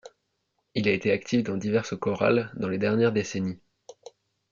Il a été actif dans diverses chorales dans les dernières décennies.